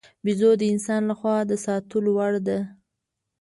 بیزو د انسانانو له خوا د ساتلو وړ دی.